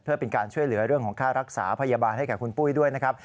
เพื่อเป็นการช่วยเหลือเรื่องของค่ารักษาพยาบาลให้กับคุณปุ้ยด้วยนะครับ